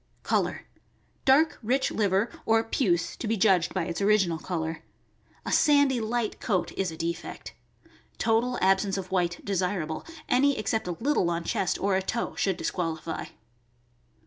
Color. — Dark, rich liver, or puce (to be judged by its original color). A sandy, light coat is a defect. Total ab sence of white desirable; any except a little on chest or a toe should disqualify.